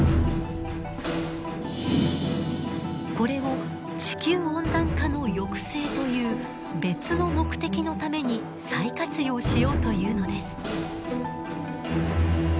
これを地球温暖化の抑制という別の目的のために再活用しようというのです。